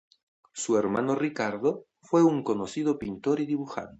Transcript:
Su hermano Ricardo fue un conocido pintor y dibujante.